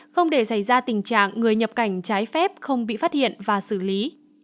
không để xảy ra tình trạng người nhập cảnh trái phép không bị phát hiện và xử lý